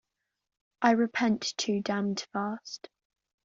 I repent too damned fast.